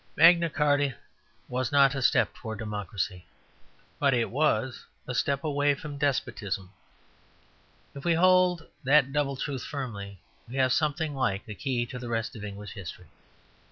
Magna Carta was not a step towards democracy, but it was a step away from despotism. If we hold that double truth firmly, we have something like a key to the rest of English history.